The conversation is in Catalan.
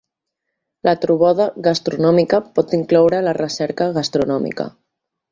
La trobada gastronòmica pot incloure la recerca gastronòmica.